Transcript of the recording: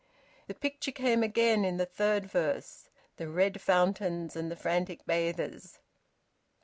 The picture came again in the third verse, the red fountains and the frantic bathers.